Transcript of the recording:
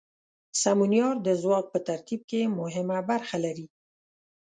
سمونیار د ځواک په ترتیب کې مهمه برخه لري.